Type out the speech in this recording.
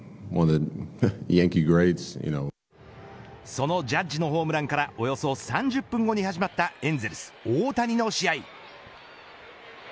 そのジャッジのホームランからおよそ３０分後に始まったエンゼルス大谷の試合。